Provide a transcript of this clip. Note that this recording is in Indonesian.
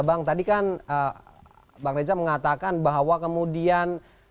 bang tadi kan bang reza mengatakan bahwa kemudian